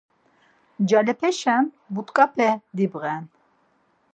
Ncalepeşen but̆ǩape dibğen.